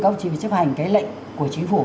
có thể chấp hành cái lệnh của chính phủ